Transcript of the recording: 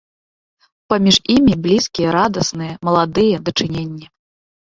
Паміж імі блізкія, радасныя, маладыя дачыненні.